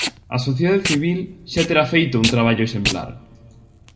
A sociedade civil xa terá feito un traballo exemplar.